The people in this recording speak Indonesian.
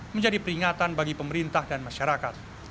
menjadi peringatan bagi pemerintah dan masyarakat